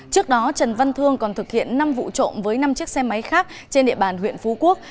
trước đó trần văn thương còn thực hiện năm vụ trộm với năm chiếc xe máy khác trên địa bàn huyện phú quốc